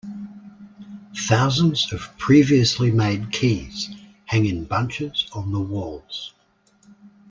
Thousands of previously made keys hang in bunches on the walls.